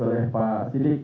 oleh pak siddiq